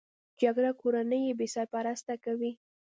جګړه کورنۍ بې سرپرسته کوي